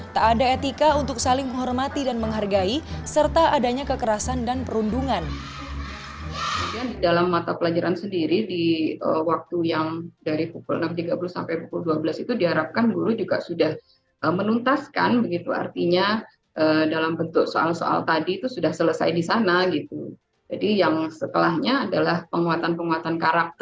tak ada etika untuk saling menghormati dan menghargai serta adanya kekerasan dan perundungan